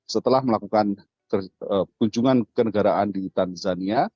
setelah melakukan kunjungan ke negaraan di tanzania